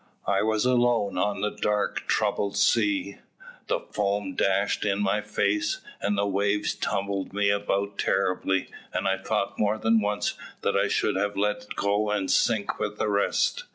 I was alone on the dark troubled sea. The foam dashed in my face, and the waves tumbled me about terribly, and I thought more than once that I should have to let go and sink with the rest.